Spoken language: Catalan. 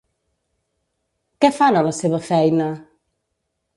Què fan a la seva feina?